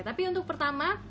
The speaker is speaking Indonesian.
tapi untuk pertama